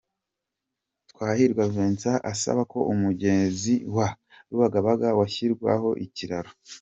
Twahirwa Vincent asaba ko umugezi wa Rubagabaga washyirwaho ikiraro.